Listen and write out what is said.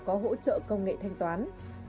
có hỗ trợ công nghệ thanh toán